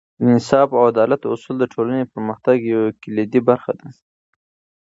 د انصاف او عدالت اصول د ټولنې پرمختګ یوه کلیدي برخه ده.